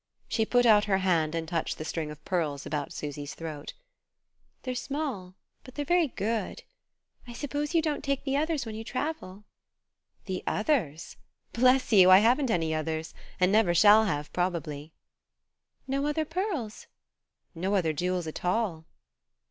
She put out her hand and touched the string of pearls about Susy's throat. "They're small, but they're very good. I suppose you don't take the others when you travel?" "The others? Bless you! I haven't any others and never shall have, probably." "No other pearls?" "No other jewels at all."